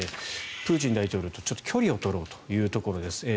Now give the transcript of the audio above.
プーチン大統領とちょっと距離を取ろうというところです。